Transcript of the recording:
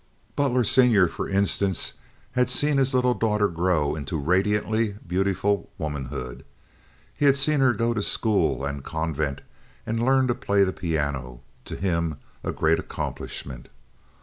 Butler, senior, for instance, had seen his little daughter grow into radiantly beautiful womanhood. He had seen her go to school and convent and learn to play the piano—to him a great accomplishment.